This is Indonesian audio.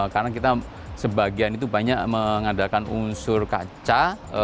karena kita sebagian itu banyak mengadakan unsur kaca